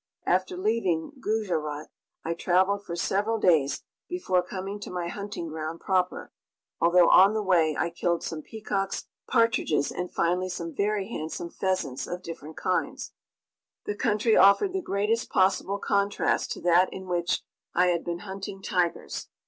After leaving Gujarat, I traveled for several days before coming to my hunting ground proper, although on the way I killed some peacocks, partridges, and finally some very handsome pheasants of different kinds. The country offered the greatest possible contrast to that in which I had been hunting tigers.